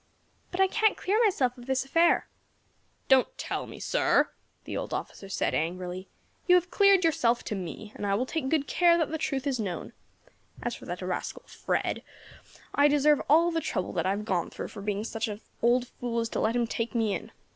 "But I can't clear myself of this affair." "Don't tell me, sir," the old officer said angrily "you have cleared yourself to me, and I will take good care that the truth is known. As for that rascal Fred, I deserve all the trouble that I have gone through for being such an old fool as to let him take me in.